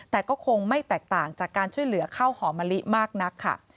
แต่ก็คงไม่แตกต่างจากการช่วยเหลือข้าวหอมะลิมากนักค่ะ